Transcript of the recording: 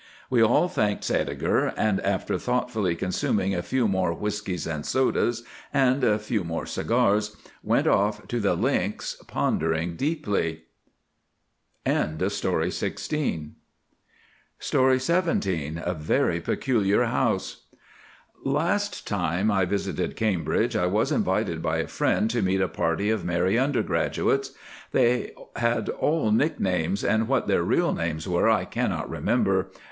We all thanked Sædeger, and after thoughtfully consuming a few more whiskies and sodas, and a few more cigars, went off to the Links pondering deeply. A Very Peculiar House. Last time I visited Cambridge I was invited by a friend to meet a party of merry undergraduates. They had all nicknames, and what their real names were I cannot remember.